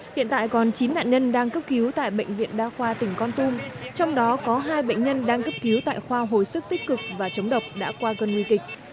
hiện tại còn chín nạn nhân đang cấp cứu tại bệnh viện đa khoa tỉnh con tum trong đó có hai bệnh nhân đang cấp cứu tại khoa hồi sức tích cực và chống độc đã qua cơn nguy kịch